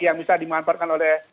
yang bisa dimanfaatkan oleh